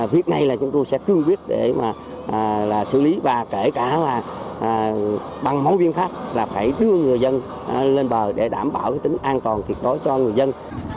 việc này là chúng tôi sẽ cương quyết để mà là xử lý và kể cả là bằng mẫu biện pháp là phải đưa người dân lên bờ để đảm bảo cái tính an toàn thì có cho người dân